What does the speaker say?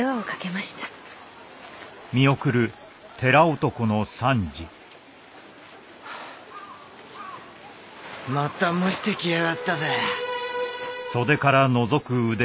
また蒸してきやがったぜ。